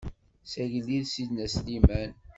S agellid Sidna Sliman.